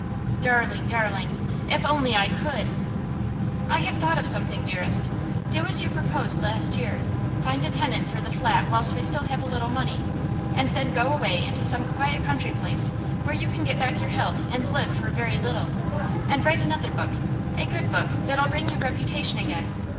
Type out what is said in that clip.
'Darling, darling if only I COULD!' 'I have thought of something, dearest. Do as you proposed last year; find a tenant for the flat whilst we still have a little money, and then go away into some quiet country place, where you can get back your health and live for very little, and write another book a good book, that'll bring you reputation again.